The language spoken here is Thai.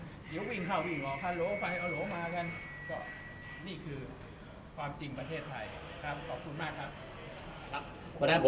เดี๋ยววิ่งเข้าวิ่งออกฮาโหลไปฮาโหลมากัน